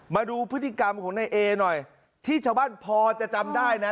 มาดูพฤติกรรมของนายเอหน่อยที่ชาวบ้านพอจะจำได้นะ